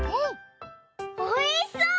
おいしそう！